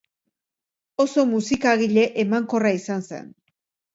Oso musikagile emankorra izan zen.